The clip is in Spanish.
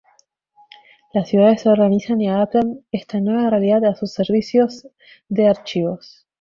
Las ciudades se organizan y adaptan esta nueva realidad a sus servicios de archivos.